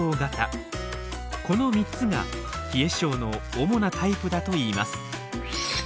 この３つが冷え症の主なタイプだといいます。